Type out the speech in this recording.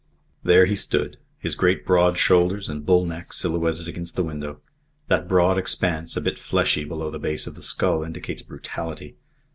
There he stood, his great broad shoulders and bull neck silhouetted against the window. That broad expanse, a bit fleshy, below the base of the skull indicates brutality.